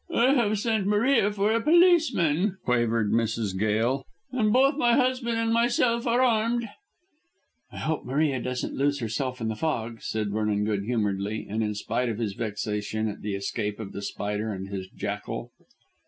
"I have sent Maria for a policeman," quavered Mrs. Gail, "and both my husband and myself are armed." "I hope Maria won't lose herself in the fog," said Vernon good humouredly, and in spite of his vexation at the escape of The Spider and his jackal.